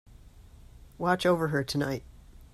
Watch over her tonight.